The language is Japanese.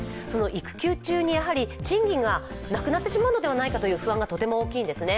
育休中に賃金がなくなってしまうのではないかという不安がとても大きいんですね。